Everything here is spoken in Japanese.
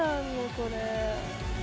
これ。